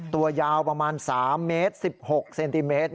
ตัวยาวประมาณ๓เมตร๑๖เซนติเมตร